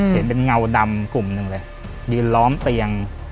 เห็นเป็นเงาดำกลุ่มหนึ่งเลยยืนล้อมเตียง